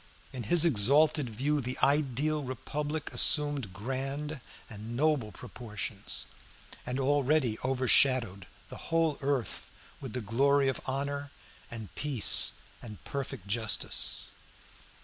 In his exalted view the ideal republic assumed grand and noble proportions, and already overshadowed the whole earth with the glory of honor and peace and perfect justice.